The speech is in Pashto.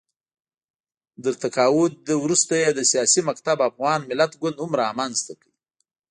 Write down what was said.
تر تقاعد وروسته یې د سیاسي مکتب افغان ملت ګوند هم رامنځته کړ